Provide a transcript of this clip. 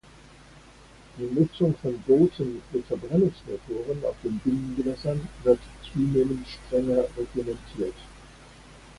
Die Nutzung von Booten mit Verbrennungsmotoren auf den Binnengewässern wird zunehmend strenger reglementiert.